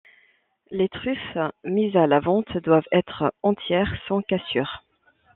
Les truffes mises à la vente doivent être entières, sans cassure.